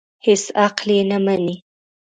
هېڅ عقل یې نه مني.